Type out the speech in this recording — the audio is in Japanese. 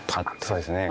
そうですね。